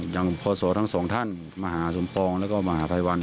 อย่างพอสวทั้งสองท่านมหาสมปองแล้วก็มหาภัยวัล